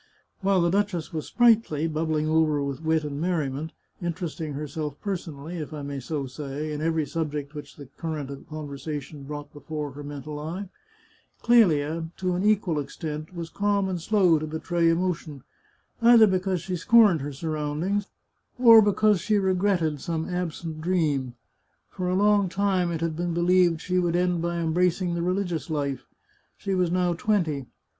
While the duchess was sprightly, bubbling over with wit and merriment, interesting herself personally, if I may so say, in every subject which the cur rent of conversation brought before her mental eye, Clelia, to an equal extent, was calm and slow to betray emotion — either because she scorned her surroundings, or because she regretted some absent dream. For a long time it had 281 The Chartreuse of Parma been believed she would end by embracing the religious life. She was now twenty.